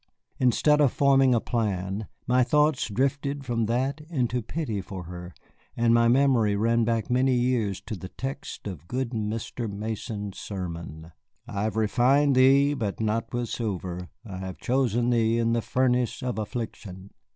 Instead of forming a plan, my thoughts drifted from that into pity for her, and my memory ran back many years to the text of good Mr. Mason's sermon, "I have refined thee, but not with silver, I have chosen thee in the furnace of affliction."